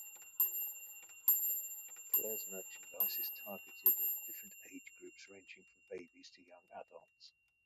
Claire's merchandise is targeted at different age groups ranging from babies to young adults.